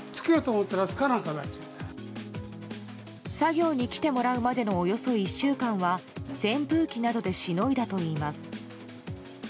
作業に来てもらうまでのおよそ１週間は扇風機などでしのいだといいます。